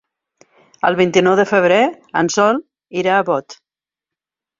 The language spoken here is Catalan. El vint-i-nou de febrer en Sol irà a Bot.